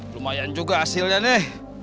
lumayan juga hasilnya nih